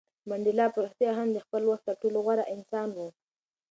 منډېلا په رښتیا هم د خپل وخت تر ټولو غوره انسان و.